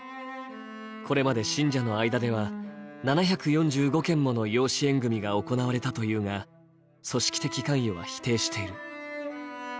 これまで信者の間では７４５件もの養子縁組が行われたというが組織的関与は否定している。